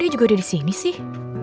saya juga ada di sini sih